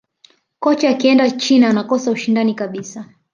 kocha akienda china anakosa ushindani kabisa